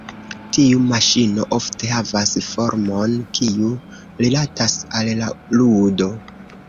Tiu maŝino ofte havas formon kiu rilatas al la ludo.